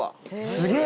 すげえ！